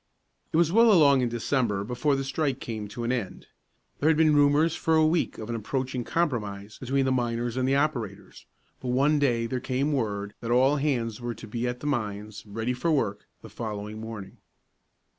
It was well along in December before the strike came to an end. There had been rumors for a week of an approaching compromise between the miners and the operators, but one day there came word that all hands were to be at the mines, ready for work, the following morning.